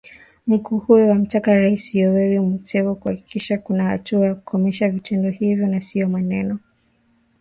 Mkuu huyo amtaka Rais Yoweri Museveni kuhakikisha kuna hatua za kukomesha vitendo hivyo na sio maneno pekee